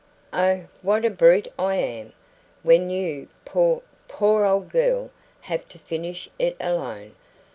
"Oh, what a brute I am! when you poor, poor old girl! have to finish it alone.